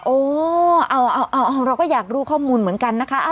โอ้เอาเราก็อยากรู้ข้อมูลเหมือนกันนะคะ